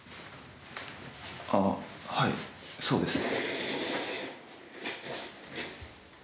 あはいそうですね。